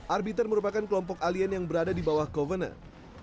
arbiter merupakan kelompok alien yang berada di bawah covener